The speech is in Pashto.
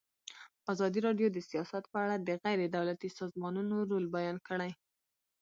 ازادي راډیو د سیاست په اړه د غیر دولتي سازمانونو رول بیان کړی.